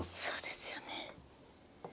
そうですよね。